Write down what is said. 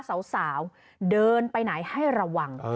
สาวเดินไปไหนให้ระวัง